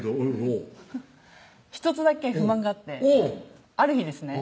うん１つだけ不満があってある日ですね